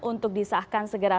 untuk disahkan segera